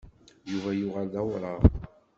Yuba yuɣal d awraɣ.